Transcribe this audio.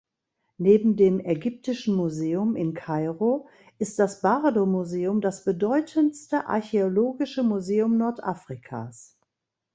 Neben dem Ägyptischen Museum in Kairo ist das Bardo-Museum das bedeutendste archäologische Museum Nordafrikas.